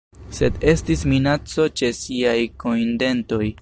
Sed estis minaco ĉe ŝiaj kojndentoj.